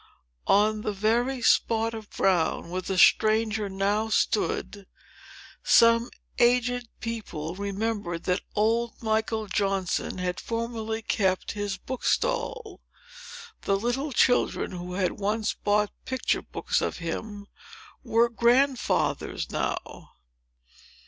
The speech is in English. On the very spot of ground, where the stranger now stood, some aged people remembered that old Michael Johnson had formerly kept his bookstall. The little children, who had once bought picture books of him, were grandfathers now.